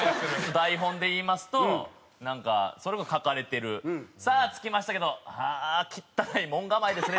台本でいいますとなんかそれこそ書かれてる「さあ着きましたけどああ汚い門構えですね」